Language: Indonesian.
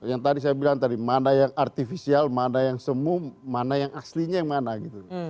yang tadi saya bilang tadi mana yang artifisial mana yang semu mana yang aslinya yang mana gitu